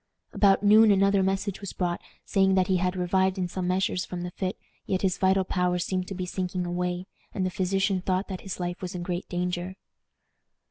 About noon another message was brought, saying that he had revived in some measure from the fit, yet his vital powers seemed to be sinking away, and the physician thought that his life was in great danger.